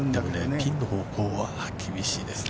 ◆ピンの方向は、厳しいですね。